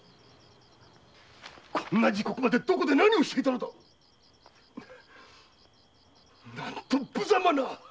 こんな時刻までどこで何をしていたのだ⁉何と無様な！